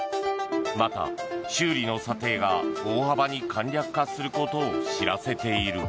また、修理の査定が大幅に簡略化することを知らせている。